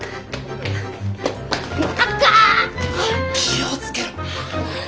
気を付けろ！